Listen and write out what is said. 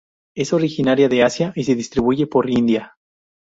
Es originaria de Asia y se distribuye por India.